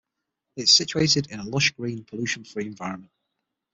It is situated in lush green, pollution free environment.